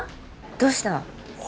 どうした？